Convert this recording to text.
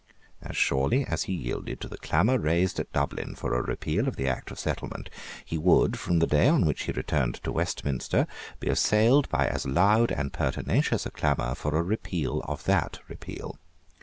As surely as he yielded to the clamour raised at Dublin for a repeal of the Act of Settlement, he would, from the day on which he returned to Westminster, be assailed by as loud and pertinacious a clamour for a repeal of that repeal.